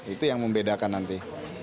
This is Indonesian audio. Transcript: itu yang membedakan nanti